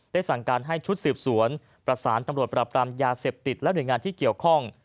สั่งการให้ชุดสืบสวนประสานตำรวจปรับรามยาเสพติดและหน่วยงานที่เกี่ยวข้อง